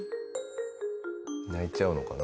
泣いちゃうのかな？